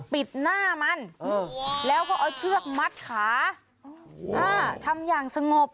ปิดหน้ามันแล้วก็เอาเชือกมัดขาทำอย่างสงบ